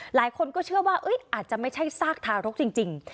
หลายคนก็เชื่อว่าอาจจะไม่ใช่ซากทารกจริง